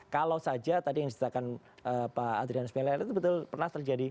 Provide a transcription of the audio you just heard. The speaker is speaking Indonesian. kalau saja tadi yang diceritakan pak adrian spiler itu betul pernah terjadi